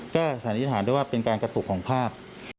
ก็สันนิษฐานได้ว่าเป็นการกระตุกของภาพ